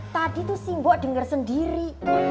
tadi tuh si bu denger sendiri